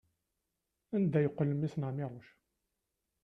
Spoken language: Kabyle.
Anda yeqqel mmi-s n Ɛmiruc?